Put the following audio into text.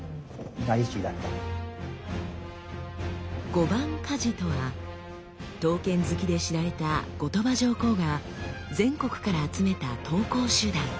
御番鍛冶とは刀剣好きで知られた後鳥羽上皇が全国から集めた刀工集団。